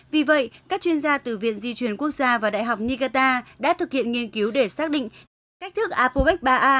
vì vậy các chuyên gia từ viện di chuyển quốc gia và đại học nicata đã thực hiện nghiên cứu để xác định cách thức apopec ba a